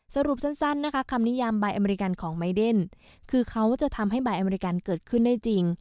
สรุปสั้นนะคะคำนิยามบายอเมริกันของไมเดนคือเขาจะทำให้บายอเมริกันเกิดขึ้นได้จริง